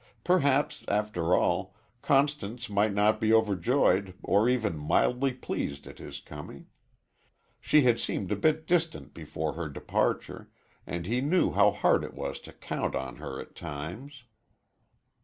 Perhaps, after all, Constance might not be overjoyed or even mildly pleased at his coming. She had seemed a bit distant before her departure, and he knew how hard it was to count on her at times.